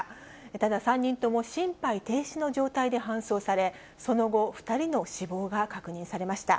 ただ、３人とも心肺停止の状態で搬送され、その後、２人の死亡が確認されました。